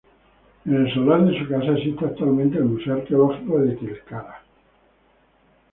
En el solar de su casa existe actualmente el Museo Arqueológico de Tilcara.